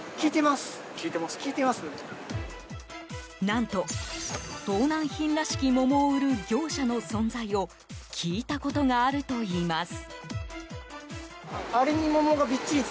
何と、盗難品らしき桃を売る業者の存在を聞いたことがあるといいます。